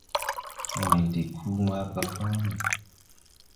Wãyn de kuu mbarga fáale.